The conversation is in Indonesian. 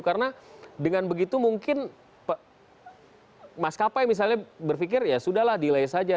karena dengan begitu mungkin mas kapai misalnya berpikir ya sudah lah delay saja